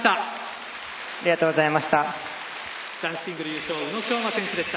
ありがとうございます。